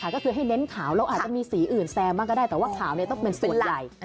ใช่เลยค่ะก็คือให้เน้นขาวเราอาจจะมีสีอื่นแซมมาก็ได้แต่ว่าขาวเนี่ยต้องเป็นส่วนใหญ่